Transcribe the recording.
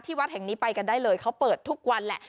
วัดแห่งนี้ไปกันได้เลยเขาเปิดทุกวันแหละ